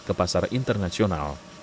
ke pasar internasional